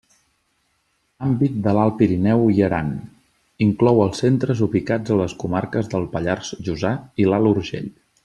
Àmbit de l'Alt Pirineu i Aran: inclou els centres ubicats a les comarques del Pallars Jussà i l'Alt Urgell.